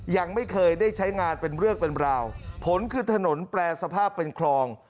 ยังไม่เคยได้ใช้งานเป็นเรื่องเป็นราวผลคือถนนแปรสภาพเป็นคลอง